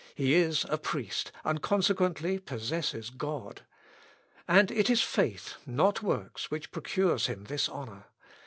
He is a priest, and consequently possesses God. And it is faith, not works, which procures him this honour.